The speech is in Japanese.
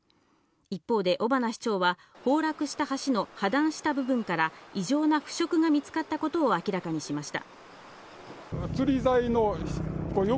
一方で尾花市長は、崩落した橋の破断した部分から異常な腐食が見つかったことを明らかにしました。